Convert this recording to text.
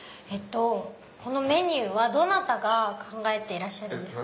このメニューはどなたが考えてらっしゃるんですか？